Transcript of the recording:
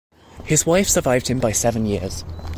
His wife survived him by seven years.